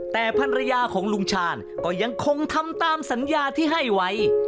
แต่ภรรยาของลุงชาญก็ยังคงทำตามสัญญาที่ให้ไว้